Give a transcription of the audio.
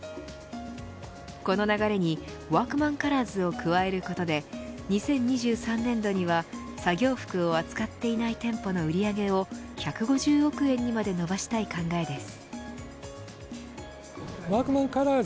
この流れにワークマンカラーズを加えることで２０２３年度には作業服を扱っていない店舗の売り上げを１５０億円にまで伸ばしたい考えです。